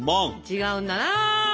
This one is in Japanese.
違うんだな！